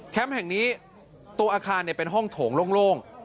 แห่งนี้ตัวอาคารเป็นห้องโถงโล่ง